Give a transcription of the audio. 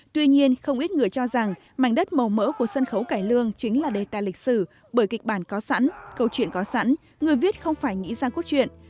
tuy nhiên không ít người cho rằng mảnh đất màu mỡ của sân khấu cải lương chính là đề tài lịch sử bởi kịch bản có sẵn câu chuyện có sẵn người viết không phải nghĩ ra cốt truyện